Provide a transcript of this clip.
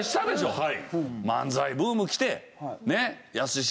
はい。